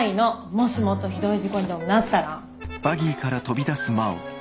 もしもっとひどい事故でもなったら。